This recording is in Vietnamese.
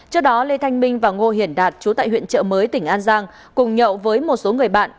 trước đó lê thành minh và ngô hiển đạt trú tại huyện chợ mới tỉnh an giang cùng nhậu với một số người bạn